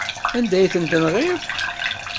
Anda ay tent-tenɣiḍ?